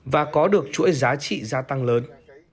và có được chuỗi giá trị gia tăng lớn